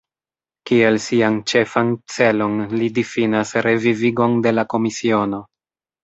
Kiel sian ĉefan celon li difinas revivigon de la komisiono.